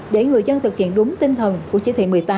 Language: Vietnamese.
để người dân thực hiện đúng tinh thần của chỉ thị một mươi tám